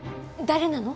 誰なの？